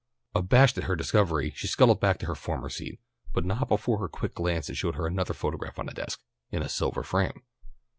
Abashed at her discovery, she scuttled back to her former seat, but not before her quick glance had showed her another photograph on the desk, in a silver frame.